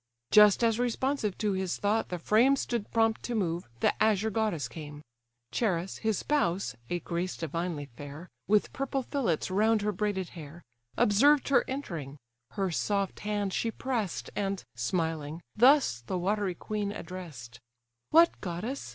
Just as responsive to his thought the frame Stood prompt to move, the azure goddess came: Charis, his spouse, a grace divinely fair, (With purple fillets round her braided hair,) Observed her entering; her soft hand she press'd, And, smiling, thus the watery queen address'd: "What, goddess!